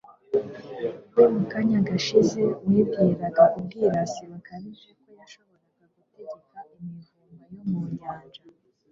we mu kanya gashize, wibwiranaga ubwirasi bukabije ko yashobora gutegeka imivumba yo mu nyanja